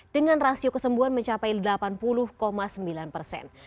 dengan rasio kesembuhan mencapai delapan puluh sembilan persen